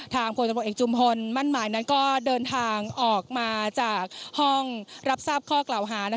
พลตำรวจเอกจุมพลมั่นหมายนั้นก็เดินทางออกมาจากห้องรับทราบข้อกล่าวหา